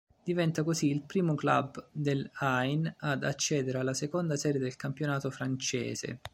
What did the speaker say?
Diventa così il primo club dell'Ain ad accedere alla seconda serie del campionato francese.